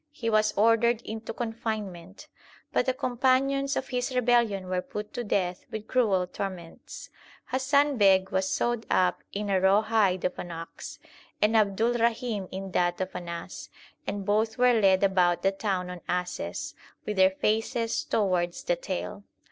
He was ordered into confinement ; but the companions of his rebel lion were put to death with cruel torments. Hasan Beg was sewed up in a raw hide of an ox, and Abdulrahim in that of an ass, and both were led about the town on asses, with their faces towards the tail.